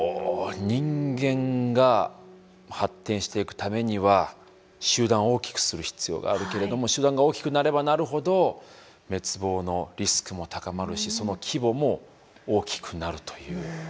人間が発展していくためには集団を大きくする必要があるけれども集団が大きくなればなるほど滅亡のリスクも高まるしその規模も大きくなるという。